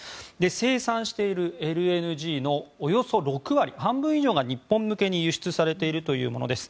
生産しているＬＮＧのおよそ６割、半分以上が日本向けに輸出されているというものです。